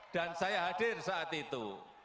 dan saya hadir saat itu